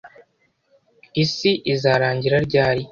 Isi izarangira ryari?